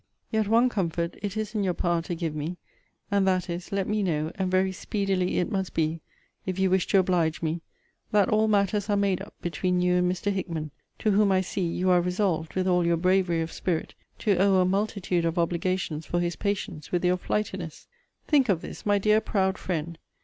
Yet one comfort it is in your power to give me; and that is, let me know, and very speedily it must be, if you wish to oblige me, that all matters are made up between you and Mr. Hickman; to whom, I see, you are resolved, with all your bravery of spirit, to owe a multitude of obligations for his patience with your flightiness. Think of this, my dear proud friend!